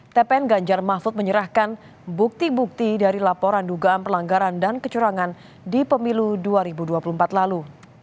tpn ganjar mahfud menyerahkan bukti bukti dari laporan dugaan pelanggaran dan kecurangan di pemilu dua ribu dua puluh empat lalu